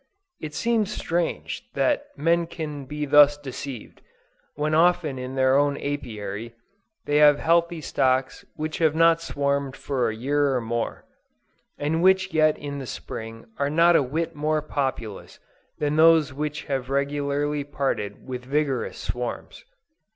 It seems strange that men can be thus deceived, when often in their own Apiary, they have healthy stocks which have not swarmed for a year or more, and which yet in the spring are not a whit more populous than those which have regularly parted with vigorous swarms.